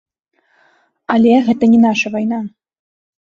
Але гэта не наша вайна.